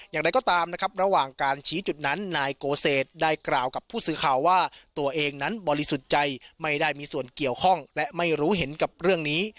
อย่างไรก็ตามนะครับระหว่างการชี้จุดนั้นนายโกเศษได้กล่าวกับผู้สื่อข่าวว่าตัวเองนั้นบริสุทธิ์ใจไม่ได้มีส่วนเกี่ยวข้องและไม่รู้เห็นกับเรื่องนี้